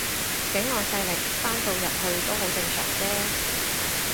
境外勢力翻到入去都好正常啫